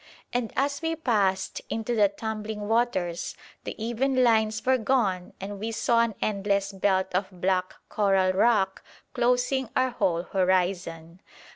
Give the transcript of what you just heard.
And as we passed into the tumbling waters, the even lines were gone and we saw an endless belt of black coral rock closing our whole horizon.